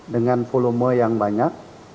dengan volume yang banyak